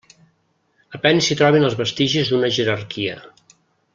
A penes s'hi troben els vestigis d'una jerarquia.